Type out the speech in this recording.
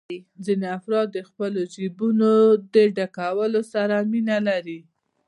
ځینې افراد د خپلو جېبونو ډکولو سره مینه لري